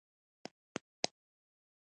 هېواد د سولې سیوری دی.